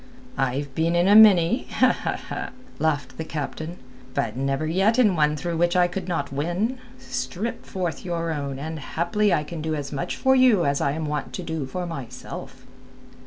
"I've been in a many," laughed the captain, "but never yet in one through which I could not win. Strip forth your own, and haply I can do as much for you as I am wont to do for myself."